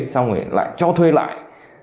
xong rồi lại cho thuê lại